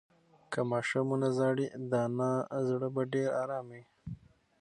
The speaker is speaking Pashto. که ماشوم ونه ژاړي، د انا زړه به ډېر ارام وي.